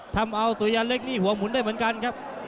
ทำเอาสุยันเล็กนี่หัวหมุนได้เหมือนกันครับ